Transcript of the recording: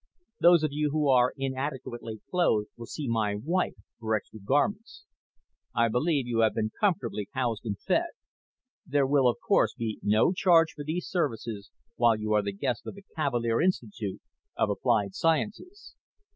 Those of you who are inadequately clothed will see my wife for extra garments. I believe you have been comfortably housed and fed. There will, of course, be no charge for these services while you are the guests of the Cavalier Institute of Applied Sciences.